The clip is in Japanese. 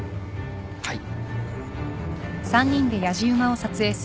はい。